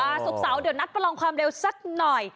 ศุกร์เสาร์เดี๋ยวนัดประลองความเร็วสักหน่อย